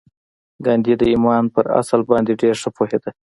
ګاندي د ایمان پر اصل باندې ډېر ښه پوهېده